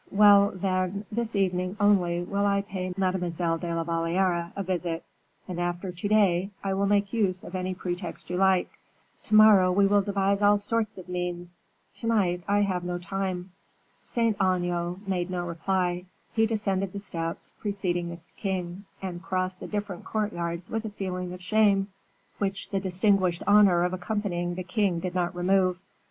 Well, then, this evening only will I pay Mademoiselle de la Valliere a visit, and after to day I will make use of any pretext you like. To morrow we will devise all sorts of means; to night I have no time." Saint Aignan made no reply; he descended the steps, preceding the king, and crossed the different courtyards with a feeling of shame, which the distinguished honor of accompanying the king did not remove.